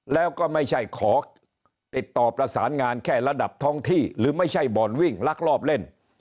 แล้วก็ไม่ใช่ขอติดต่อประสานงานแค่ระดับท้องที่หรือไม่ใช่บ่อนวิ่งลักลอบเล่น